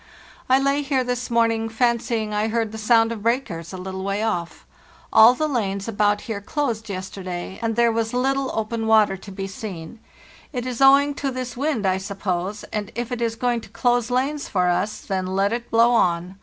I lay here this morning fancying I heard the sound of breakers a little way off. All the lanes about here closed yesterday, and there was little open water to be seen. It is owing to this wind, I suppose, and if it is going to close lanes for us, then let it blow on.